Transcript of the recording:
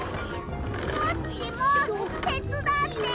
コッチもてつだってよ！